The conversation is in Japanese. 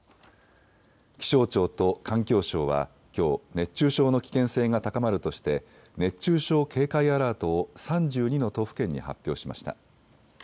気象庁と環境省はきょう熱中症の危険性が高まるとして熱中症警戒アラートを３２の都府県に発表しました。